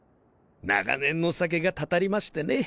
長年の酒がたたりましてね。